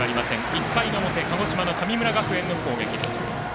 １回の表鹿児島の神村学園の攻撃。